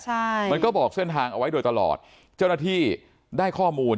ใช่มันก็บอกเส้นทางเอาไว้โดยตลอดเจ้าหน้าที่ได้ข้อมูล